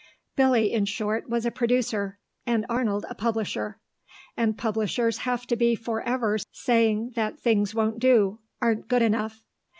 Billy, in short, was a producer, and Arnold a publisher; and publishers have to be for ever saying that things won't do, aren't good enough.